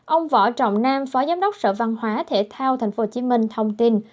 ông võ trọng nam phó giám đốc sở văn hóa thể thao tp hcm thông tin